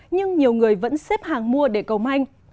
nhưng nhiều người vẫn xếp hàng mua để cầu manh